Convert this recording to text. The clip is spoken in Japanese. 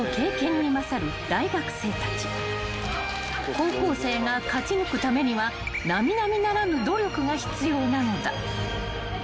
［高校生が勝ち抜くためには並々ならぬ努力が必要なのだ］